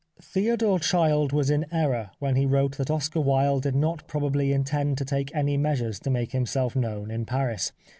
Theodore Child was in error when he wrote that Oscar Wilde did not probably intend to take any measures to make himself known in Paris.